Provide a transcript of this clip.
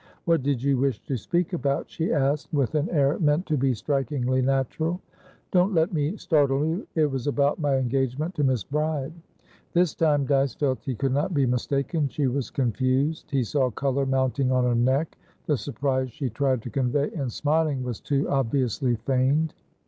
"What did you wish to speak about?" she asked, with an air meant to be strikingly natural. "Don't let me startle you; it was about my engagement to Miss Bride." This time, Dyce felt he could not be mistaken. She was confused; he saw colour mounting on her neck; the surprise she tried to convey in smiling was too obviously feigned.